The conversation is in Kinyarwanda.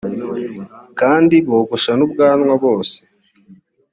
kandi bogosha n’ ubwanwa bose